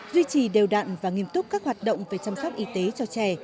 duy trì đều đạn và nghiêm túc các hoạt động về chăm sóc y tế cho trẻ